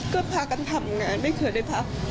ก็พากันทำงานไม่เคยได้พัก